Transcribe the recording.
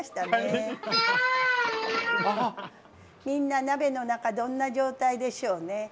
みんな鍋の中どんな状態でしょうね。